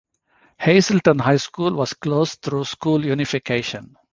Hazelton High School was closed through school unification.